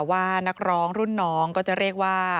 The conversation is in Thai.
ว่านักร้องรุ่นน้องก็จะเรียกว่า